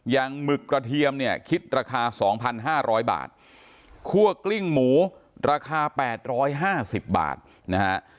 หมึกกระเทียมเนี่ยคิดราคา๒๕๐๐บาทคั่วกลิ้งหมูราคา๘๕๐บาทนะฮะ